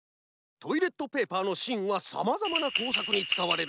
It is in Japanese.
トイレットペーパーのしんはさまざまなこうさくにつかわれる。